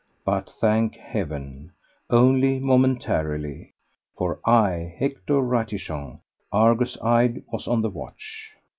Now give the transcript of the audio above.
But, thank heaven! only momentarily, for I, Hector Ratichon, argus eyed, was on the watch.